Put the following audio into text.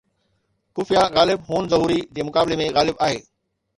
خفيه غالب هون ظهوري جي مقابلي ۾ غالب آهي